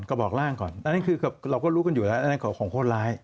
กระบอกร่างก่อนอันนั้นคือเราก็รู้กันอยู่แล้วอันนั้นของโคตรร้าย